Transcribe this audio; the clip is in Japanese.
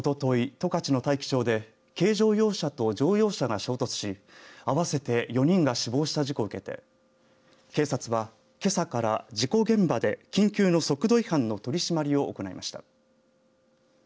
十勝の大樹町で軽乗用車と乗用車が衝突し合わせて４人が死亡した事故を受けて警察はけさから事故現場で、緊急の速度違反の取締りを行いました。